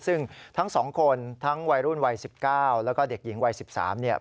ซึ่งทั้งสองคนทั้งวัยรุ่นวัย๑๙และเด็กยิงวัย๑๓